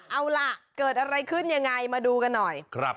เอาล่ะเกิดอะไรขึ้นยังไงมาดูกันหน่อย